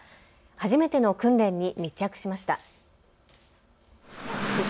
初めての訓練に密着しました。